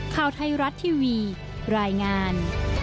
ข่าวไทยรัฐทีวีรายงาน